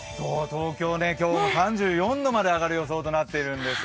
東京、今日も３４度まで上がる予想となっています。